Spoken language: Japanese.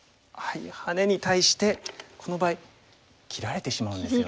ハネに対してこの場合切られてしまうんですよね。